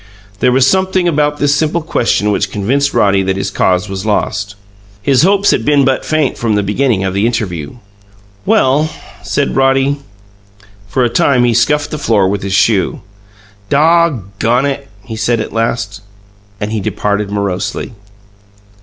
There was something about this simple question which convinced Roddy that his cause was lost. His hopes had been but faint from the beginning of the interview. "Well " said Roddy. For a time he scuffed the floor with his shoe. "Daw gone it!" he said, at last; and he departed morosely.